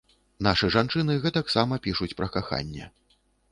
Нашы жанчыны гэтак сама пішуць пра каханне.